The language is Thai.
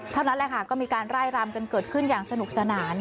เท่านั้นแหละค่ะก็มีการไล่รำกันเกิดขึ้นอย่างสนุกสนาน